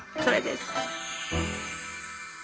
それです。